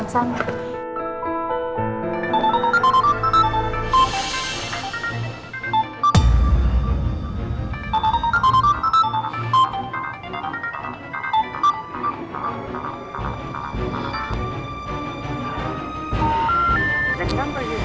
jangan sampai habis habis berpijak ya "